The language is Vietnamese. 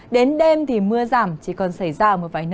đến đêm thì mưa giảm chỉ còn xảy ra